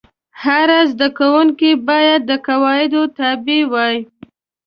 هر زده کوونکی باید د قواعدو تابع وای.